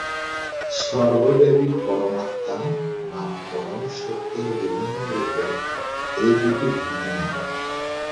সর্বব্যাপী পরমাত্মা বা পরম সত্যের বিভিন্ন রূপের এই দুটি ভিন্ন নাম।